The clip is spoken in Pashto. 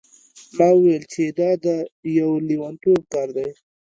ما وویل چې دا د یو لیونتوب کار دی.